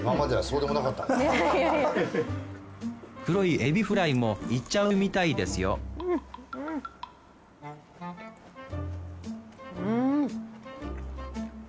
黒いエビフライもいっちゃうみたいですようん！